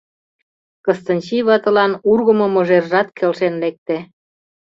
Кыстинчи ватылан ургымо мыжержат келшен лекте.